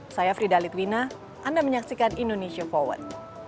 saya fridalit wina anda menyaksikan indonesia forward